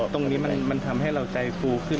ตรงนี้มันทำให้เราใจฟูขึ้น